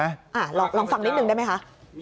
ลองฟังนิดนึงได้ไหมคะ